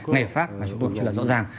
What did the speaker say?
ngày ở pháp chúng tôi cũng chưa là rõ ràng